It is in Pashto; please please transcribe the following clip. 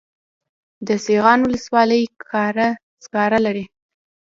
د سیغان ولسوالۍ سکاره لري